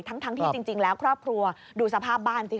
ทั้งที่จริงแล้วครอบครัวดูสภาพบ้านสิ